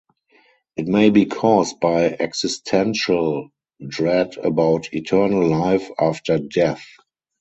It may be caused by existential dread about eternal life after death.